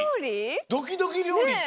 ドキドキりょうりって。